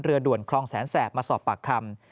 ด่วนคลองแสนแสบมาสอบปากคำ